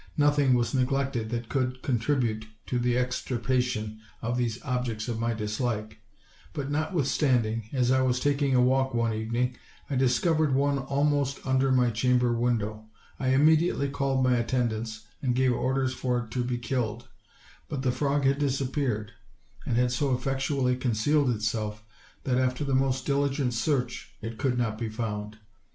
Nothing was neg lected that could contribute to the extirpation of these objects of my dislike; but notwithstanding, as I was tak ing a walk one evening, I discovered one almost under my chamber window. I immediately called my attend ants and gave orders for it to be killed; but the frog had disappeared, and had so effectually concealed itself that after the most diligent search it could not be found.